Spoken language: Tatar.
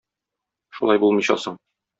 Шулай булмыйча соң!